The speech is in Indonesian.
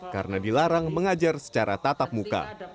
karena dilarang mengajar secara tatap muka